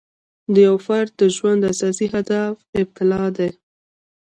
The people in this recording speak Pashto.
د یو فرد د ژوند اساسي هدف ابتلأ دی.